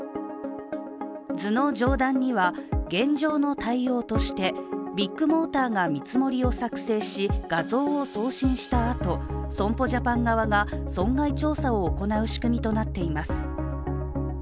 図の上段には現状の対応としてビッグモーターが見積もりを作成し画像を送信したあと、損保ジャパン側が損害調査を行う仕組みとなっています。